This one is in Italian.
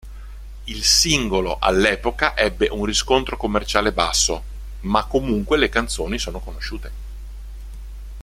Il singolo all'epoca ebbe un riscontro commerciale basso, ma comunque le canzoni sono conosciute.